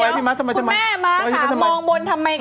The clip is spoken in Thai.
เดี๋ยวคุณแม่มาค่ะมองบนทำไมคะ